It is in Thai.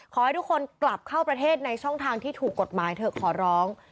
ขอให้ทุกคนกลับเข้าประเทศในช่องทางที่ถูกกฎหมายเถอะขอร้อง